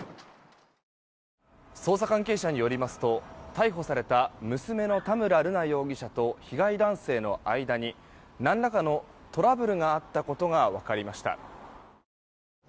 捜査関係者によりますと逮捕された娘の田村瑠奈容疑者と被害男性の間に何らかのトラブルがあったことが分かりました。